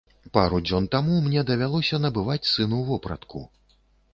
Пару дзён таму мне давялося набываць сыну вопратку.